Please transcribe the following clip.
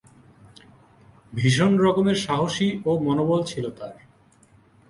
ভীষণ রকমের সাহসী ও মনোবল ছিল তার।